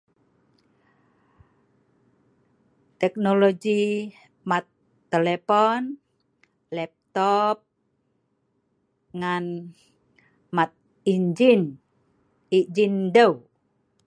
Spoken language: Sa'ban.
Teknologi mat telepon, laptop ngan mat injin. Iijin deu